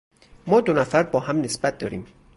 ما دو نفر با هم نسبت داریم.